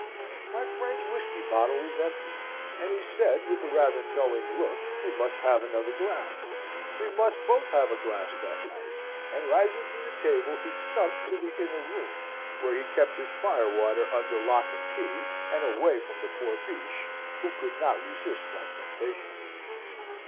"My friend's whisky bottle was empty; and he said, with rather a knowing look, he must have another glass we must both have a glass that night. And rising from the table he stumped to the inner room where he kept his fire water under lock and key, and away from the poor Biche, who could not resist that temptation.